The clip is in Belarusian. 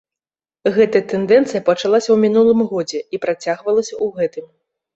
Гэтая тэндэнцыя пачалася ў мінулым годзе і працягвалася ў гэтым.